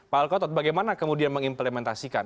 pak alkotot bagaimana kemudian mengimplementasikan